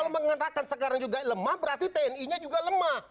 kalau mengatakan sekarang juga lemah berarti tni nya juga lemah